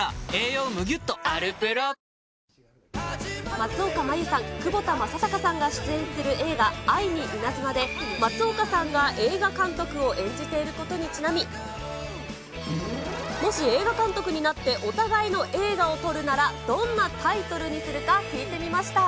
松岡茉優さん、窪田正孝さんが出演する映画、愛にイナズマで、松岡さんが映画監督を演じていることにちなみ、もし映画監督になって、お互いの映画を撮るならどんなタイトルにするか聞いてみました。